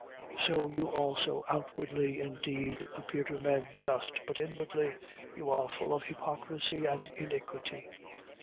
23:28. So you also outwardly indeed appear to men just: but inwardly you are full of hypocrisy and iniquity.